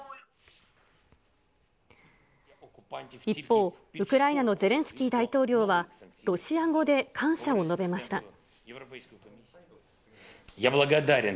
一方、ウクライナのゼレンスキー大統領は、ロシア語で感謝を述べました。